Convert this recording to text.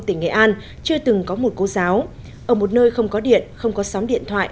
tỉnh nghệ an chưa từng có một cô giáo ở một nơi không có điện không có sóng điện thoại